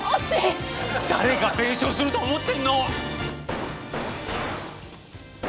誰が弁償すると思ってんの！